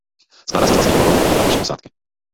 Skládá se z vlastního balónu a koše posádky.